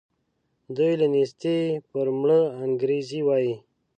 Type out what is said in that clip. دوی له نېستي پر مړه انګرېږي وايي.